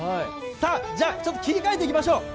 じゃあ切り替えていきましょう。